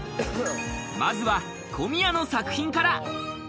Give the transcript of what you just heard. まずは小宮の作品から。